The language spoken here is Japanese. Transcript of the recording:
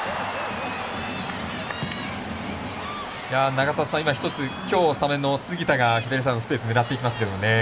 永里さん、今、一つ今日、スタメンの杉田が左サイド、スペース狙っていますけどね。